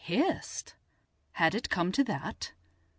Hissed! Had it come to that?